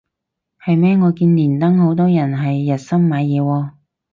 係咩我見連登好多人係日森買嘢喎